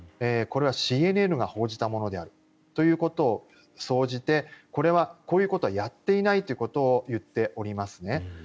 これはＣＮＮが報じたものであるということを総じてこれは、こういうことをやっていないということを言っていますね。